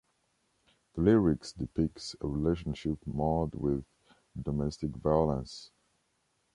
The lyrics depicts a relationship marred with domestic violence.